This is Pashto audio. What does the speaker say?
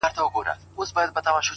خو پر زړه مي سپين دسمال د چا د ياد _